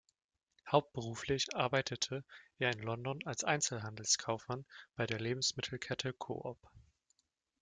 Hauptberuflich arbeitete er in London als Einzelhandelskaufmann bei der Lebensmittelkette Co-Op.